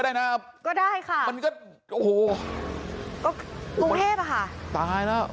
ตายแล้ว